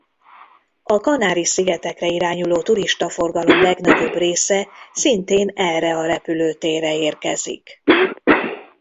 A Kanári-szigetekre irányuló turistaforgalom legnagyobb része szintén erre a repülőtérre érkezik.